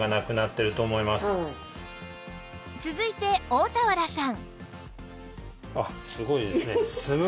続いて大田原さん